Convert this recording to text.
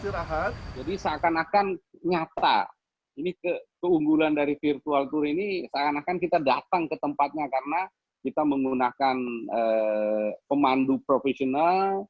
jadi seakan akan nyata keunggulan dari virtual tour ini seakan akan kita datang ke tempatnya karena kita menggunakan pemandu profesional